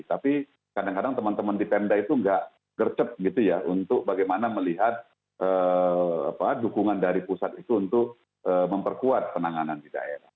tapi kadang kadang teman teman di pemda itu nggak gercep gitu ya untuk bagaimana melihat dukungan dari pusat itu untuk memperkuat penanganan di daerah